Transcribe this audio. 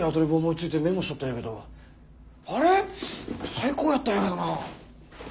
最高やったんやけどなあ。